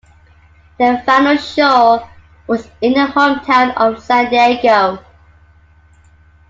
Their final show was in their hometown of San Diego.